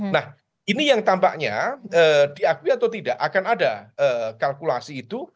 nah ini yang tampaknya diakui atau tidak akan ada kalkulasi itu